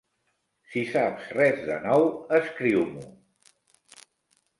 Si saps res de nou, escriu-m'ho.